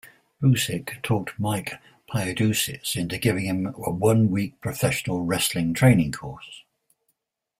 Busick talked Mike Paidousis into giving him a one-week professional wrestling training course.